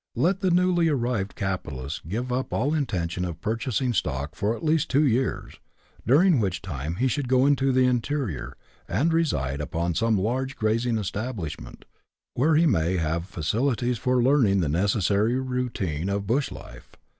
Let the newly arrived capitalist give up all intention of purchasing stock for at least two years, during which time he should go into the interior and reside upon some large grazing establishment, where he may have facilities for learning the necessary routine of " bush life."